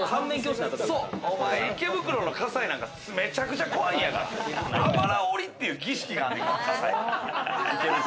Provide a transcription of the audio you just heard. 池袋の葛西なんか、めちゃくちゃ怖いんやから、あばら折りっていう儀式があるんやから。